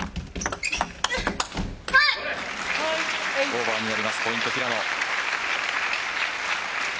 オーバーになりますポイント、平野。